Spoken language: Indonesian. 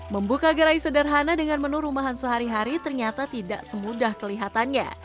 membuka gerai sederhana dengan menu rumahan sehari hari ternyata tidak semudah kelihatannya